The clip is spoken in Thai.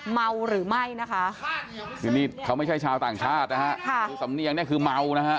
เมาหรือไม่นะคะเขาไม่ใช่ชาวต่างชาตินะฮะ